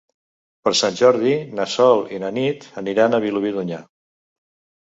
Per Sant Jordi na Sol i na Nit aniran a Vilobí d'Onyar.